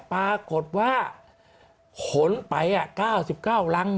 ปรากฏว่าขนไป๙๙รัง